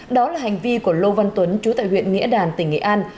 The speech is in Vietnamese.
đó là hành vi của lô văn tuấn chú tại huyện nghĩa đàn tỉnh nghệ an